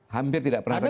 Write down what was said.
hampir tidak pernah terjadi